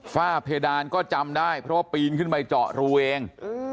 ฝ้าเพดานก็จำได้เพราะว่าปีนขึ้นไปเจาะรูเอง